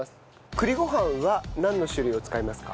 栗ご飯はなんの種類を使いますか？